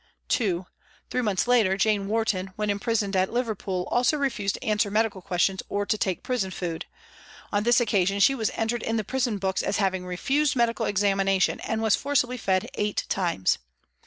"2. Three months later ' Jane Warton,' when imprisoned at Liverpool, also refused to answer medical questions or to take prison food. On this occasion she was entered in the prison books as having refused medical examination, and was forcibly fed eight times.